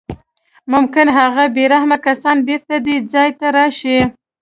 ممکن هغه بې رحمه کسان بېرته دې ځای ته راشي